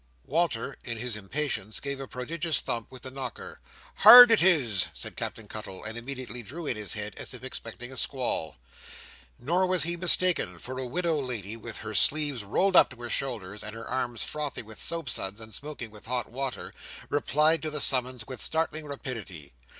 Walter, in his impatience, gave a prodigious thump with the knocker. "Hard it is!" said Captain Cuttle, and immediately drew in his head, as if he expected a squall. Nor was he mistaken: for a widow lady, with her sleeves rolled up to her shoulders, and her arms frothy with soap suds and smoking with hot water, replied to the summons with startling rapidity.